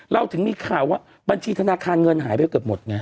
เราถึงมีข่าวว่าบัญชีธนาคารเงินหายไปเกือบหมดไง